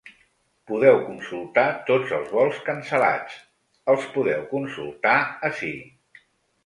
Podeu consultar tots els vols cancel·lats els podeu consultar ací.